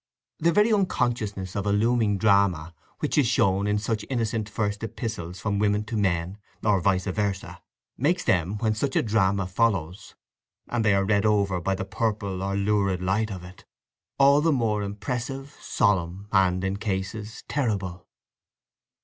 The very unconsciousness of a looming drama which is shown in such innocent first epistles from women to men, or vice versa, makes them, when such a drama follows, and they are read over by the purple or lurid light of it, all the more impressive, solemn, and in cases, terrible.